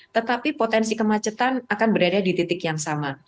tetapi potensi kemacetan akan berada di titik yang sama